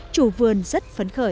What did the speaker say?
chủ vườn rất phấn khởi